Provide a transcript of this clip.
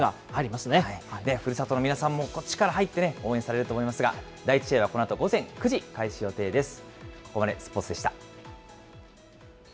応援に力ふるさとの皆さんも力が入って応援されると思いますが、第１試合はこのあと午前９時開始予定です。